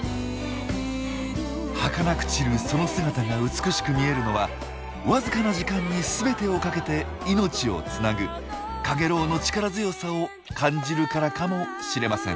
はかなく散るその姿が美しく見えるのはわずかな時間に全てをかけて命をつなぐカゲロウの力強さを感じるからかもしれません。